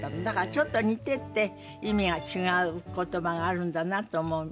だからちょっと似てて意味が違う言葉があるんだなと。